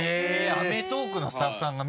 「アメトーーク！」のスタッフさんが。